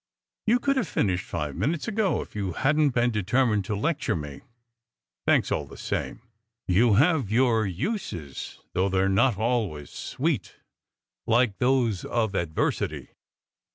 "You could have finished five minutes ago, if you hadn t been determined to lecture me. Thanks, all the same. You have your uses, though they re not always sweet, like those of adversity."